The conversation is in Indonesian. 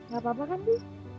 gak apa apa kan bu